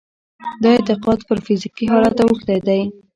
دا اعتقاد پر فزيکي حالت اوښتی دی.